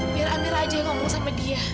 biar amir aja yang ngomong sama dia